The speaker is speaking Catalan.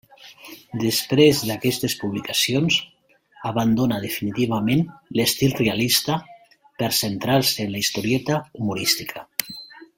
Després d'aquestes publicacions, abandona definitivament l'estil realista per a centrar-se en la historieta humorística.